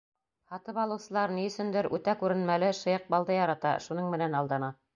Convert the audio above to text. Һатып алыусылар ни өсөндөр үтә күренмәле шыйыҡ балды ярата, шуның менән алдана.